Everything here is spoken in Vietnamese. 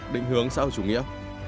định hướng sau chủ nghĩa